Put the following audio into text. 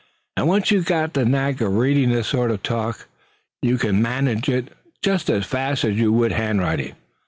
And once you've got the knack of reading this sort of talk, you can manage it just as fast as you would hand writing.